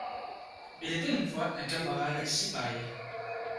Il était une fois un caporal cipaye